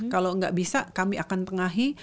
kalau nggak bisa kami akan pengai